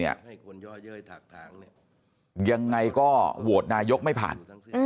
ยังไงก็โหวตนายกไม่ผ่าน